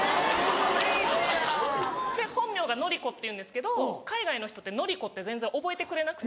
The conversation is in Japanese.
・クレイジーやわ・本名がノリコっていうんですけど海外の人ってノリコって全然覚えてくれなくて。